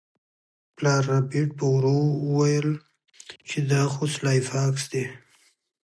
پلار ربیټ په ورو وویل چې دا خو سلای فاکس دی